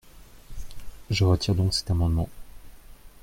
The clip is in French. Je retire donc cet amendement.